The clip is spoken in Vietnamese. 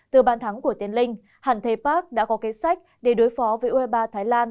từ ban thắng của tiên linh hẳn thề park đã có kế sách để đối phó với u hai mươi ba thái lan